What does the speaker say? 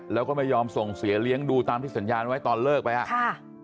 แล้วก็ไม่ยอมส่งเสียเลี้ยงดูตามที่สัญญาณไว้ตอนเลิกไปอ่ะค่ะ